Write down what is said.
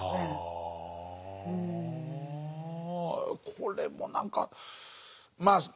これも何かまあ